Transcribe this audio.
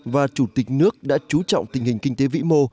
và chủ tịch nước đã chú trọng tình hình kinh tế vĩ mô